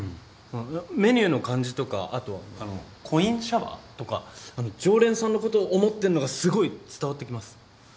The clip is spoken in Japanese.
あっメニューの感じとか後はあのコインシャワー？とかあの常連さんのことを思ってんのがすごい伝わってきます。